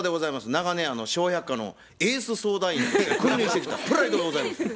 長年「笑百科」のエース相談員として君臨してきたプライドがございます！